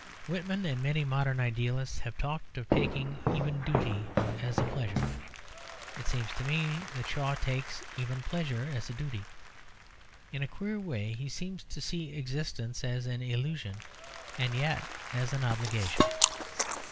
Whitman and many modern idealists have talked of taking even duty as a pleasure; it seems to me that Shaw takes even pleasure as a duty. In a queer way he seems to see existence as an illusion and yet as an obligation.